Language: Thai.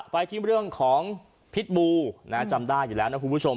ไปที่เรื่องของพิษบูจำได้อยู่แล้วนะคุณผู้ชม